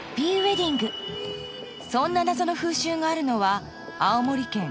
［そんな謎の風習があるのは］